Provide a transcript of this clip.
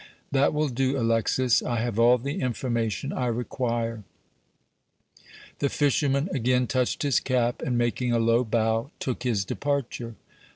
"That will do, Alexis; I have all the information I require." The fisherman again touched his cap, and, making a low bow, took his departure.